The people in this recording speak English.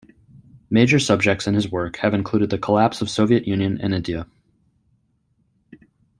Major subjects in his work have included the collapse of Soviet Union and India.